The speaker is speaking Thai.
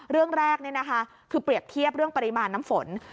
เรื่องแรกคือเปรียบเทียบเรื่องปริมาณน้ำฝน